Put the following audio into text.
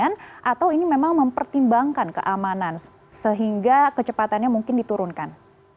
atau ini memang mempertimbangkan keamanan sehingga kecepatannya mungkin diturunkan